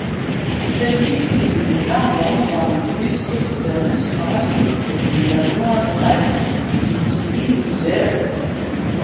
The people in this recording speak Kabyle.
Tallit ideg i nella d Remḍan, tuget n yixeddamen senɣasen seg uxeddim, rnu azɣal i d-yettilin deg uzal.